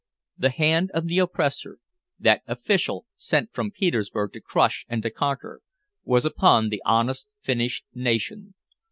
The hand of the oppressor, that official sent from Petersburg to crush and to conquer, was upon the honest Finnish nation.